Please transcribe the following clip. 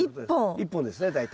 １本ですね大体。